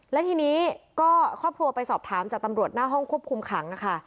และทีนี้ก็ครอบครัวไปสอบถามจากตำรวจหน้าห้องควบคุมขังค่ะ